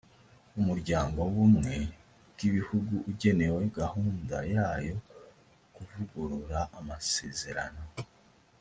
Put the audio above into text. umuryango w’ubumwe bw’ibihugu ugenewe gahunda ya yo kuvugurura amasezerano